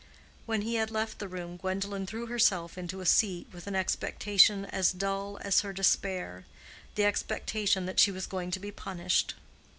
When he had left the room, Gwendolen threw herself into a seat, with an expectation as dull as her despair—the expectation that she was going to be punished.